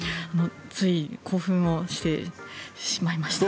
つい興奮をしてしまいました。